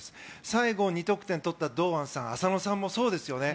最後、２得点取った堂安さん、浅野さんもそうですよね。